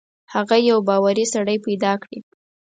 هغه یو باوري سړی پیدا کړي.